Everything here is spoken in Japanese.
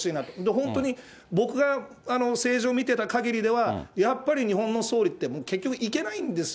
本当に僕が政治を見てたかぎりでは、やっぱり日本の総理って、結局、行けないんですよ。